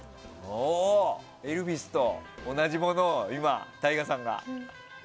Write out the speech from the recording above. エルヴィスと同じものを今ＴＡＩＧＡさんが。